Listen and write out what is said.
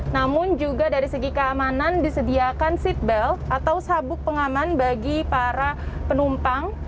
namun juga dari segi keamanan disediakan seatbelt atau sabuk pengaman bagi para penumpang